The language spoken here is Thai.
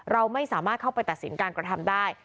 เราไม่สามารถเข้าไปตัดสินการกระทำได้